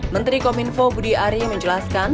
menteri kominfo budi ari menjelaskan